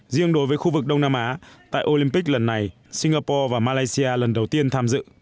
riêng đối với khu vực đông nam á tại olympic lần này singapore và malaysia lần đầu tiên tham dự